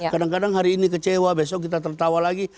kadang kadang hari ini kecewa besok kita tertawa lagi